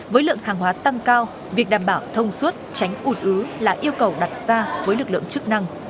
với lượng hàng hóa tăng cao việc đảm bảo thông suốt tránh ủn ứ là yêu cầu đặt ra với lực lượng chức năng